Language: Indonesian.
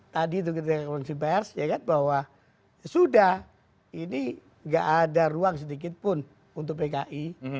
tadi itu kita lihat di komisi pers ya kan bahwa sudah ini enggak ada ruang sedikit pun untuk pki